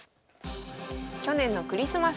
去年のクリスマス